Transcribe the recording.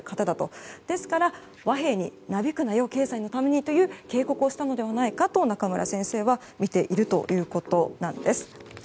だから和平になびくなよ経済のためにという警告をしたのではないかと中村先生はみているということです。